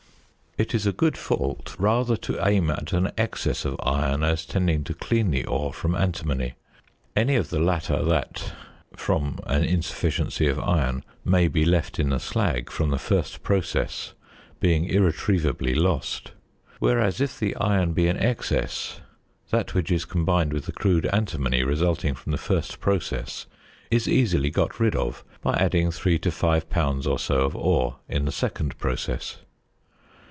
It is a good fault rather to aim at an excess of iron as tending to clean the ore from antimony, any of the latter that (from an insufficiency of iron) may be left in the slag from the first process being irretrievably lost; whereas, if the iron be in excess, that which is combined with the crude antimony resulting from the first process is easily got rid of by adding 3 to 5 lbs. or so of ore in the second process.